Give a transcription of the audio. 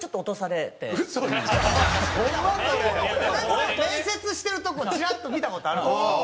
俺も面接してるとこチラッと見た事あるんですよ。